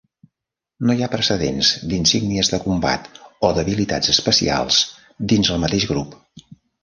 No hi ha precedents d'insígnies de combat o d'habilitats especials dins el mateix grup.